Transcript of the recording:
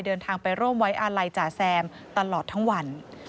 เดินทางไปร่วมไว้อาลัยจ่าแซมตลอดทั้งวัน